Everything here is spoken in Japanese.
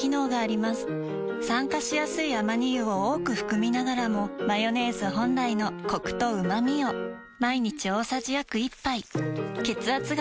酸化しやすいアマニ油を多く含みながらもマヨネーズ本来のコクとうまみを毎日大さじ約１杯血圧が高めの方に機能性表示食品